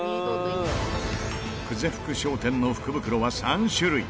久世福商店の福袋は３種類